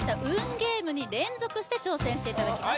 ゲームに連続して挑戦していただきます